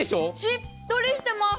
しっとりしてます。